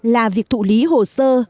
là việc thụ lý hồ sơ